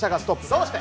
どうして？」。